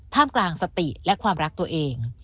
กลางสติและความรักตัวเอง